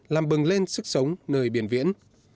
làm bừng lên sức sống nơi biển viễn